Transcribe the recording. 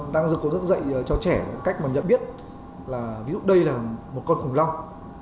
đang dựng dẫn dạy cho trẻ cách mà nhận biết là ví dụ đây là một con khủng long